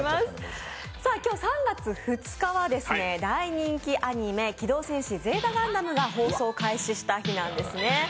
今日３月２日は大人気アニメ、「機動戦士Ｚガンダム」が放送開始した日なんですね。